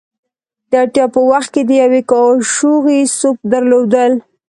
د اړتیا په وخت کې د یوې کاشوغې سوپ درلودل.